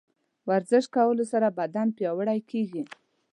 د ورزش کولو سره بدن پیاوړی کیږي.